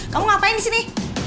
kamu ngapain disini